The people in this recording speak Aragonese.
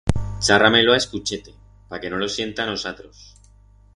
Charra-me-lo a escuchete, pa que no lo sientan os atros.